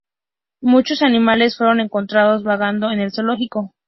Muchos animales fueron encontrados vagando en el zoológico.